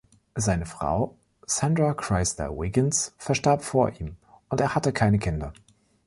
Seine Frau, Sandra Crysler-Wiggins, verstarb vor ihm, und er hatte keine Kinder.